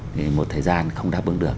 thì một thời gian không đáp ứng được